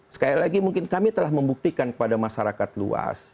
sekali lagi mungkin kami telah membuktikan kepada masyarakat luas